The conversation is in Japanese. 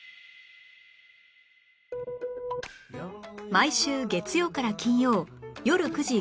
毎週月曜から金曜よる９時５４分は